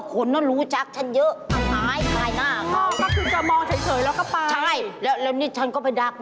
เข้าใจไหม